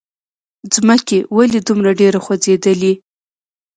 ځمکې! ولې دومره ډېره خوځېدلې؟